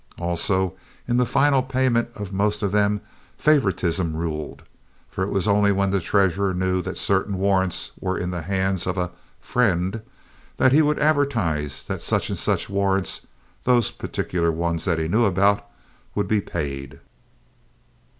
Also, in the final payment of most of them favoritism ruled, for it was only when the treasurer knew that certain warrants were in the hands of "a friend" that he would advertise that such and such warrants—those particular ones that he knew about—would be paid.